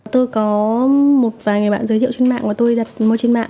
tôi có một vài người bạn giới thiệu trên mạng và tôi đặt mua trên mạng